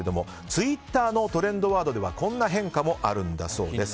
ツイッターのトレンドワードではこんな変化もあるんだそうです。